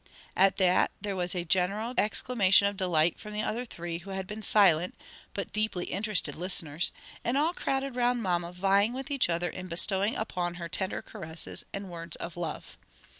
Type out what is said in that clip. At that there was a general exclamation of delight from the other three, who had been silent, but deeply interested listeners, and all crowded round mamma vying with each other in bestowing upon her tender caresses and words of love.